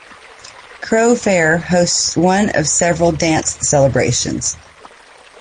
Crow Fair hosts one of several Dance Celebrations.